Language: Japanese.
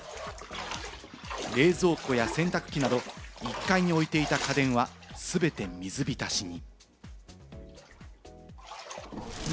冷蔵庫や洗濯機など、１階に置いていた家電は全て水浸しに。